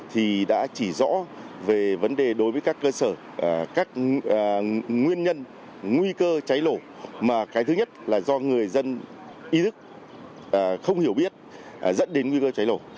thì đã chỉ rõ về vấn đề đối với các cơ sở các nguyên nhân nguy cơ cháy nổ mà cái thứ nhất là do người dân ý thức không hiểu biết dẫn đến nguy cơ cháy nổ